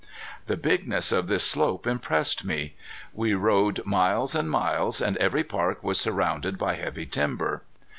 The bigness of this slope impressed me. We rode miles and miles, and every park was surrounded by heavy timber.